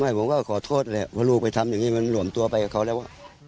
ไม่ผมก็ขอโทษเลยพอลูกไปทำอย่างนี้มันหลวมตัวไปกับเขาแล้ว